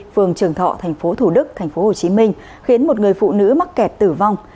phường trường thọ tp thủ đức tp hcm khiến một người phụ nữ mắc kẹt tử vong